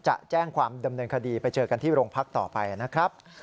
จะแจ้งความดำเนินคดีไปเจอกันที่โรงพักต่อไปนะครับ